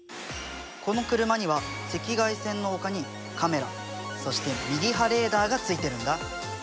この車には赤外線のほかにカメラそしてミリ波レーダーがついてるんだ。